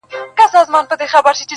چي وهل یې د سیند غاړي ته زورونه.!